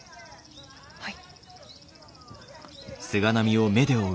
はい。